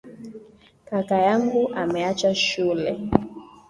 Kaka yangu ameacha shule